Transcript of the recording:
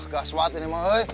gak suat ini mah eh